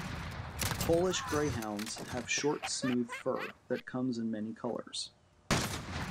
Polish Greyhounds have short, smooth fur that comes in many colors.